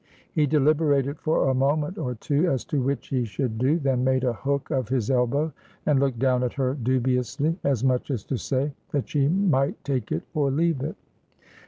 He deliberated for a moment or two as to which he should do, then made a hook of his elbow, and looked down at her dubiously, as much as to say that she might take it or leave it.